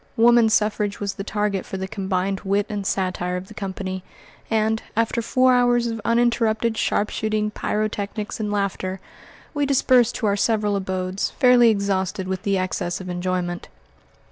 Woman suffrage was the target for the combined wit and satire of the company, and, after four hours of uninterrupted sharpshooting, pyrotechnics, and laughter, we dispersed to our several abodes, fairly exhausted with the excess of enjoyment.